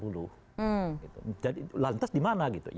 lantas di mana gitu